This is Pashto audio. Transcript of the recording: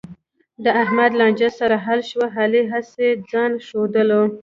د احمد لانجه سره حل شوه، علي هسې ځآن ښودلو.